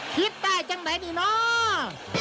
คิดได้จังไหนนี่เนาะ